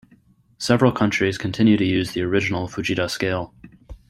Several countries continue to use the original Fujita Scale.